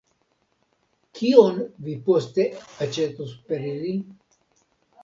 Kion vi poste aĉetos per ili?